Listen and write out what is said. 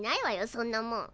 そんなもん。